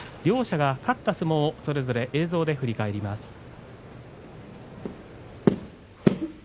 両者が勝った相撲それぞれの映像で振り返ります。